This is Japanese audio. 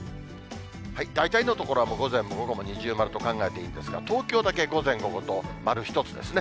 大体の所はもう午前も午後も二重丸と考えていいですが、東京だけ午前、午後と丸１つですね。